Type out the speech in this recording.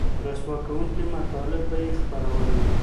رسوا کوونکي مطالب به یې خپرول